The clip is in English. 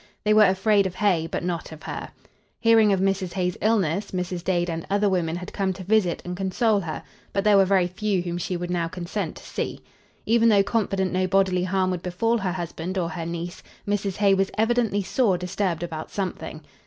They were afraid of Hay, but not of her. Hearing of Mrs. Hay's illness, Mrs. Dade and other women had come to visit and console her, but there were very few whom she would now consent to see. Even though confident no bodily harm would befall her husband or her niece, Mrs. Hay was evidently sore disturbed about something.